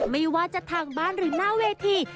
ไม่ว่าจะทางบ้านหรือหน้าเวที